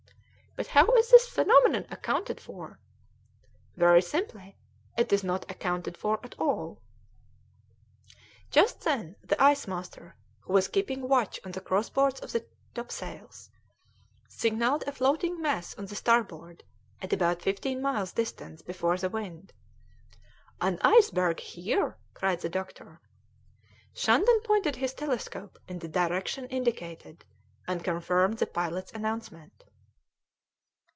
"But how is this phenomenon accounted for?" "Very simply; it is not accounted for at all." Just then the ice master, who was keeping watch on the crossbars of the topsails, signalled a floating mass on the starboard, at about fifteen miles distance before the wind. "An iceberg here!" cried the doctor. Shandon pointed his telescope in the direction indicated, and confirmed the pilot's announcement.